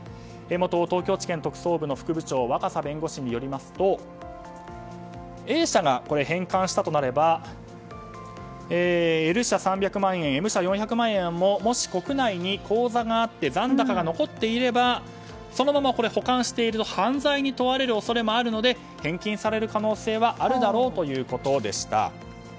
元東京地検特捜部の副部長若狭弁護士によりますとＡ社が返還したとなればＬ社、３００万円そしてＭ社の金額ももし国内に口座があって残高が残っていればそのまま保管していると犯罪に問われる可能性もあるので返金される可能性はあるだろうということでした。